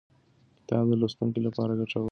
کتاب د لوستونکو لپاره ګټور دی.